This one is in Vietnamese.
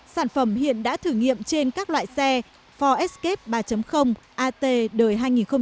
sản phẩm hiện đã thử nghiệm trên các loại xe ford escape ba at đời hai nghìn hai